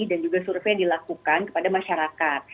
dan juga survei dilakukan kepada masyarakat